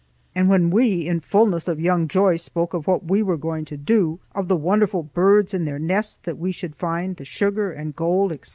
And when we in fullness of young joy spoke of what we were going to do, of the wonderful birds and their nests that we should find, the sugar and gold, etc.